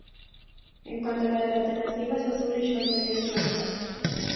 En cuanto a la de alternativa es azul y short y medias blancas.